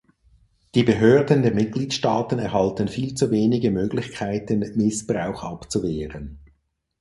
Die Behörden der Mitgliedstaaten erhalten viel zu wenige Möglichkeiten, Missbrauch abzuwehren.